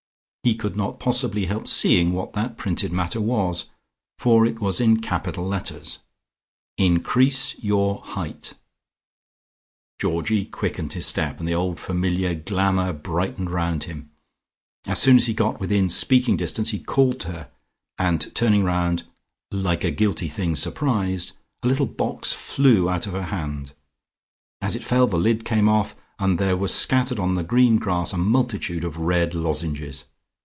He could not possibly help seeing what that printed matter was, for it was in capital letters: INCREASE YOUR HEIGHT Georgie quickened his step, and the old familiar glamour brightened round him. As soon as he got within speaking distance, he called to her, and turning round, "like a guilty thing surprised," a little box flew out of her hand. As it fell the lid came off, and there was scattered on the green grass a multitude of red lozenges.